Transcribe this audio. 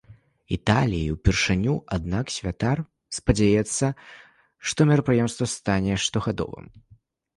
Італіі ўпершыню, аднак святар спадзяецца, што мерапрыемства стане штогадовым.